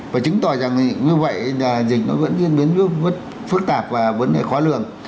và chứng tỏ rằng như vậy dịch nó vẫn biến phức tạp và vấn đề khó lường